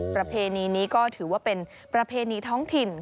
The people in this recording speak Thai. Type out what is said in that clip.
ประเพณีนี้ก็ถือว่าเป็นประเพณีท้องถิ่น